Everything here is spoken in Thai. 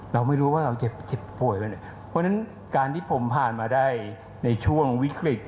เราไม่รู้ว่าเราเจ็บเจ็บป่วยไปเนี่ยเพราะฉะนั้นการที่ผมผ่านมาได้ในช่วงวิกฤต